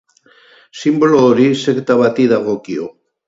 Sinbolo hori sekta bati dagokio.